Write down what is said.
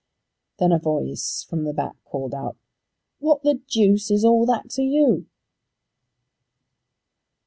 Then a voice from the back called out, "What the deuce is all that to you?"